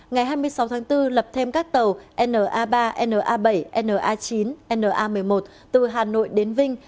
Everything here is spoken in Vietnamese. ngày hai mươi sáu tháng bốn lập thêm các tàu na ba na bảy mươi chín na một mươi một từ hà nội đến vinh